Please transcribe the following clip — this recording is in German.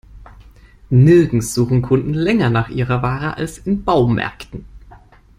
Nirgends suchen Kunden länger nach ihrer Ware als in Baumärkten.